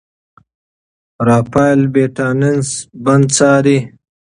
رافایل بیټانس بند څاري.